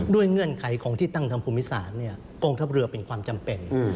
เงื่อนไขของที่ตั้งทางภูมิศาสตร์กองทัพเรือเป็นความจำเป็น